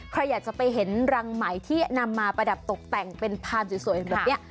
ใครอยากจะไปเห็นรังไหมที่นำมาประดับตกแต่งเป็นพานสวยแบบนี้